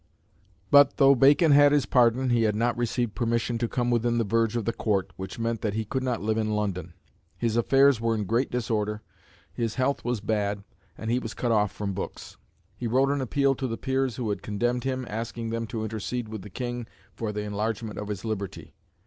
But, though Bacon had his pardon, he had not received permission to come within the verge of the Court, which meant that he could not live in London. His affairs were in great disorder, his health was bad, and he was cut off from books. He wrote an appeal to the Peers who had condemned him, asking them to intercede with the King for the enlargement of his liberty.